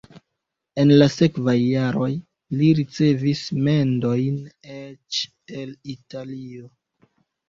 En la sekvaj jaroj li ricevis mendojn eĉ el Italio.